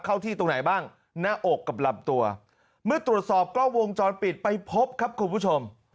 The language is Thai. เข้าที่ตรงไหนบ้างหน้าอกกับลำตัวเมื่อตรวจสอบกล้องวงจรปิดไปพบครับคุณผู้ชม